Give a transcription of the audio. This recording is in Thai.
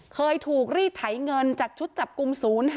เคยถูกรีดไถเงินจากชุดจับกลุ่ม๐๕